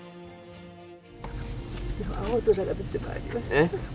青空が出てまいりました。